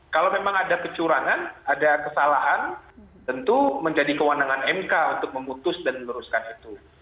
kalau memang ada kecurangan ada kesalahan tentu menjadi kewenangan mk untuk memutus dan meneruskan itu